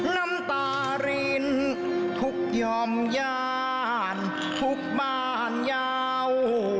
น้ำตารินทุกยอมย่านทุกบ้านยาว